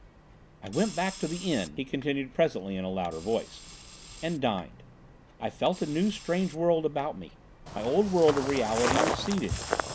"I went back to the inn," he continued presently in a louder voice, "and dined. I felt a new strange world about me. My old world of reality receded.